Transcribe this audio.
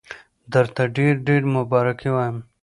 درته ډېر ډېر مبارکي وایم.